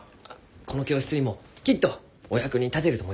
この教室にもきっとお役に立てると思います。